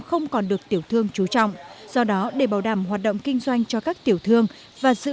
không còn được tiểu thương chú trọng do đó để bảo đảm hoạt động kinh doanh cho các tiểu thương và giữ